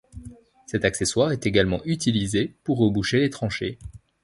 Cet accessoire est également utilisé pour reboucher les tranchées.